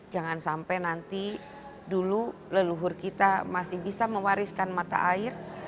jangan sampai nanti dulu leluhur kita masih bisa mewariskan mata air